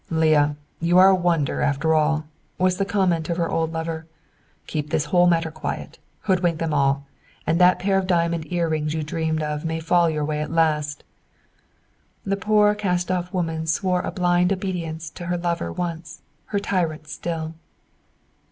"Leah! You are a wonder, after all," was the comment of her old lover. "Keep this whole matter quiet. Hoodwink them all! And that pair of diamond ear rings you dreamed of may fall your way at last!" The poor cast off woman swore a blind obedience to her lover once, her tyrant still.